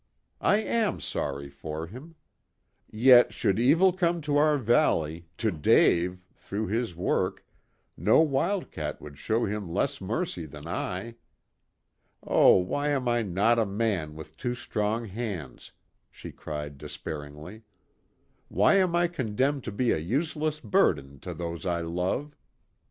I am sorry for him. Yet should evil come to our valley to Dave through his work, no wildcat would show him less mercy than I. Oh, why am I not a man with two strong hands?" she cried despairingly. "Why am I condemned to be a useless burden to those I love?